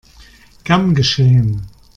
Gern geschehen!